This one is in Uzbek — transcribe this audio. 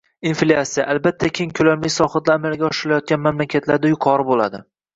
Inflyatsiya, albatta, keng ko'lamli islohotlar amalga oshirilayotgan mamlakatlarda yuqori bo'ladi